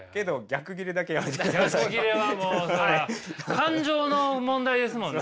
けど逆ギレはもう感情の問題ですもんね。